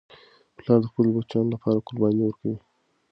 پلار د خپلو بچیانو لپاره قرباني ورکوي.